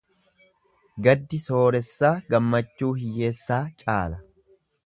Gaddi sooressaa gammachuu hiyyeessaa caala.